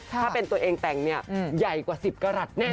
ถ้าเป็นตัวเองแต่งเนี่ยใหญ่กว่า๑๐กรัฐแน่